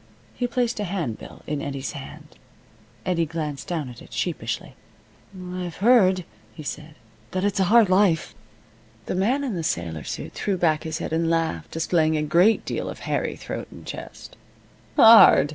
He placed a handbill in Eddie's hand. Eddie glanced down at it sheepishly. "I've heard," he said, "that it's a hard life." The man in the sailor suit threw back his head and laughed, displaying a great deal of hairy throat and chest. "Hard!"